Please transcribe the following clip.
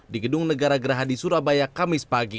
di gedung negara gerahadi surabaya kamis pagi